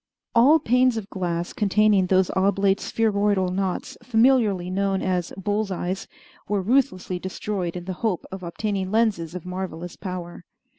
All panes of glass containing those oblate spheroidal knots familiarly known as "bull's eyes" were ruthlessly destroyed in the hope of obtaining lenses of marvelous power.